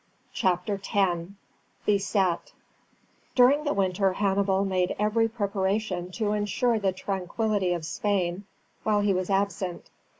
CHAPTER X: BESET During the winter Hannibal made every preparation to ensure the tranquillity of Spain while he was absent.